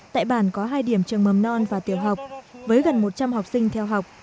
tại bản có hai điểm trường mầm non và tiểu học với gần một trăm linh học sinh theo học